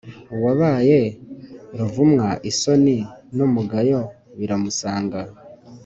uwabaye ruvumwa, isoni n’umugayo biramusanga;